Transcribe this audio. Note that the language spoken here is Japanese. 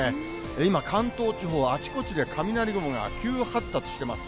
今、関東地方はあちこちで雷雲が急発達しています。